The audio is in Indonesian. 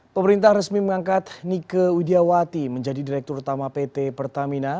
pemerintah resmi mengangkat nike widiawati menjadi direktur utama pt pertamina